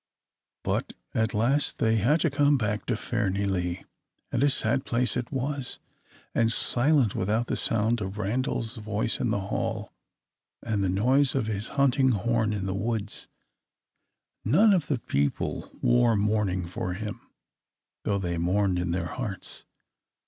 But at last they had to come back to Fairnilee; and a sad place it was, and silent without the sound of Randal's voice in the hall, and the noise of his hunting horn in the woods. None of the people wore mourning for him, though they mourned in their hearts.